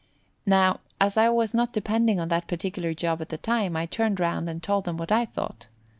Now, as I was not depending on that particular job at the time, I turned round and told them what I thought.